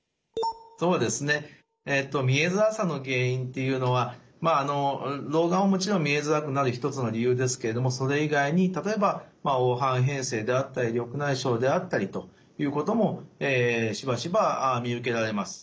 そうですね見えづらさの原因っていうのは老眼ももちろん見えづらくなる一つの理由ですけれどもそれ以外に例えば黄斑変性であったり緑内障であったりということもしばしば見受けられます。